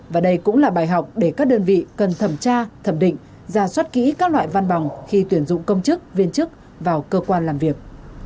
và đây cũng là bài học để các đơn vị cần thẩm tra thẩm định ra soát kỹ các loại văn bằng khi tuyển dụng công chức viên chức vào cơ quan làm việc